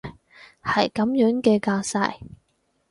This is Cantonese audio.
係噉樣嘅架勢？